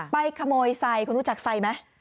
ไปขโมยไซค์คุณรู้จักไซค์ไหม